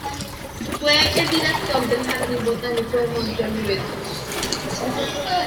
Fue el director del Jardín Botánico de Monte Oliveto.